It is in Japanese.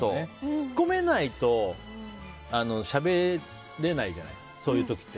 突っ込めないとしゃべれないじゃないですかそういう時って。